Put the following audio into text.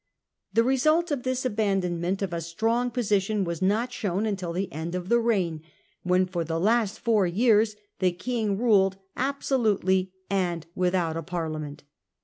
The result of this abandonment of a strong position was not shown until the end of the reign, when for the last four years the King ruled absolutely and without a Parliament.